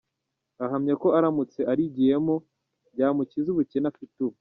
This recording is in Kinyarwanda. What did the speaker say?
Ahamya ko aramutse arigiyemo ryamukiza ubukene afite ubu.